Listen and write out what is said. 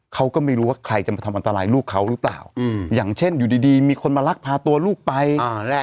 เขาก็ไม่รู้ว่าใครจะมาทำอันตรายลูกเขาหรือเปล่าอย่างเช่นอยู่ดีดีมีคนมาลักพาตัวลูกไป